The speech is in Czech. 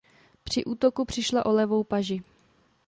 Při útoku přišla o levou paži.